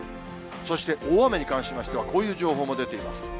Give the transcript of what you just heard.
そして大雨に関しましては、こういう情報も出ています。